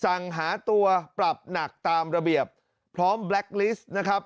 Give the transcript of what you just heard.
สั่งหาตัวปรับหนักตามระเบียบพร้อมแบล็กลิสต์นะครับ